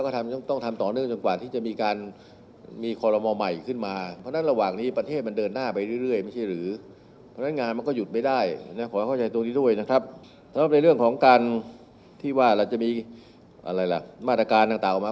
สำหรับในเรื่องของการที่ว่าเราจะมีมาตรการต่างออกมา